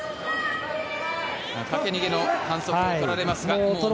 かけ逃げの反則と取られますが。